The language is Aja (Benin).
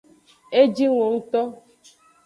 E jingo ngto.